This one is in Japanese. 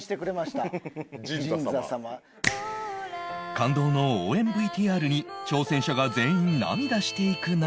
感動の応援 ＶＴＲ に挑戦者が全員涙していく中